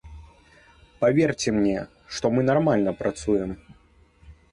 Паверце мне, што мы нармальна працуем.